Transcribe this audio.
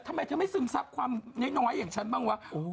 ทำไมเธอไม่ซึมซับความน้อยอย่างฉันบ้างวะ